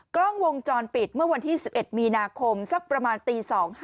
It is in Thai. กล้องวงจรปิดเมื่อวันที่๑๑มีนาคมสักประมาณตี๒๕